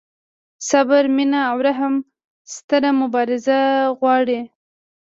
صبر، مینه او رحم ستره مبارزه غواړي.